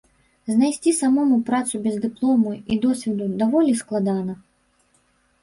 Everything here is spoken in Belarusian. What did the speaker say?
Знайсці самому працу без дыплому і досведу даволі складана.